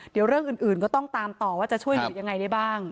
เดี๋ยวเรื่องอื่นก็ต้องตามต่อว่าจะช่วยเหลือยังไงได้บ้าง